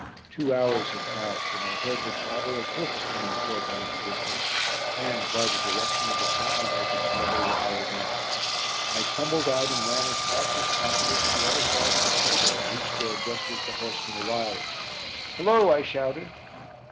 Two hours had passed when I heard the clatter of hoofs coming towards me in the distance and, by the direction of the sound, I could tell they were our men. I tumbled out and ran as fast as possible to the other side of the crater and reached there just as the horsemen arrived. "Hullo!" I shouted.